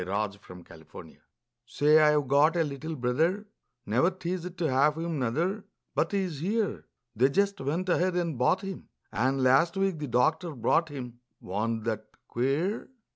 HIS NEW BROTHER Say, I've got a little brother, Never teased to have him, nuther, But he's here; They just went ahead and bought him, And, last week the doctor brought him, Wa'n't that queer?